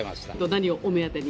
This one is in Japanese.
何をお目当てに？